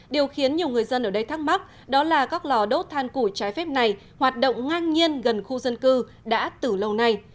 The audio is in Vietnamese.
điều khiến nhiều người dân ở đây thắc mắc đó là các lò đốt than củi trái phép này hoạt động ngang nhiên gần khu dân cư đã từ lâu nay